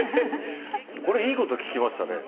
これいいこと聞きましたね。